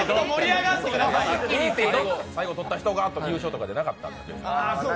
最後取った人が優勝とかじゃなかったんや。